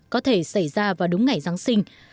có thể xảy ra vào đúng ngày giáng sinh